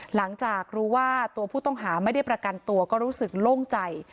หลังจากรู้ว่าตัวผู้ต้องหาไม่ได้ประกันตัวก็รู้สึกโล่งใจ